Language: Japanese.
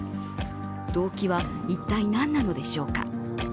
動機は一体、何なのでしょうか。